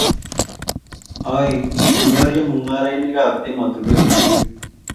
oeng', kinyario mung'arenikab emotinwek mising